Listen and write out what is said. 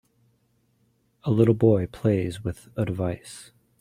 A little boy plays with a device.